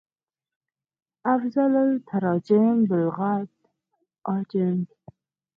افضل التراجم بالغت العاجم